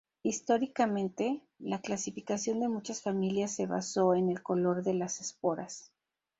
Históricamente, la clasificación de muchas familias se basó en el color de las esporas.